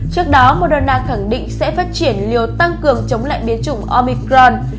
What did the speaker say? trước đó moderna khẳng định sẽ phát triển liều tăng cường chống lại biến chủng omicron